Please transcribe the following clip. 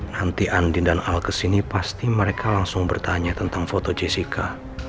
nanti andi dan al kesini pasti mereka langsung bertanya tentang foto jessica